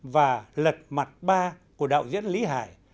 và lật mặt ba của đạo diễn lý hải